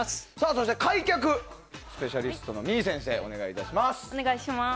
そして開脚のスペシャリストのｍｉｅｙ先生、お願いします。